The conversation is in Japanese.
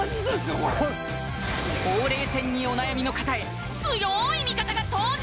これほうれい線にお悩みの方へ強い味方が登場！